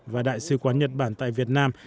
và đại sứ quán nhật bản tại việt nam